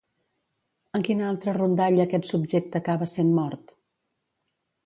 En quina altra rondalla aquest subjecte acaba sent mort?